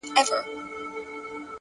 د باد له راتګ مخکې هوا بدلېږي.!